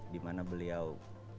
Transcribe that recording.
di mana beliau